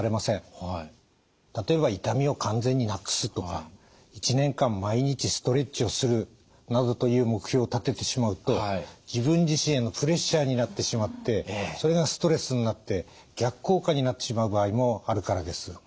例えば「痛みを完全になくす」とか「１年間毎日ストレッチをする」などという目標を立ててしまうと自分自身へのプレッシャーになってしまってそれがストレスになって逆効果になってしまう場合もあるからです。